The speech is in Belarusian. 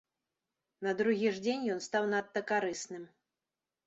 На другі ж дзень ён стаў надта карысным.